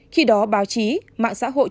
khi đó báo chí mạng xã hội